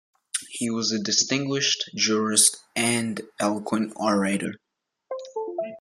He was a distinguished jurist and eloquent orator.